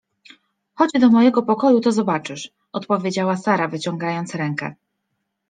— Chodź do mojego pokoju, to zobaczysz — odpowiedziała Sara, wyciągając rękę.